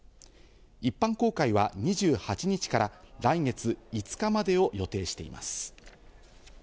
一般公開は２８日から来月５日までを予定しています。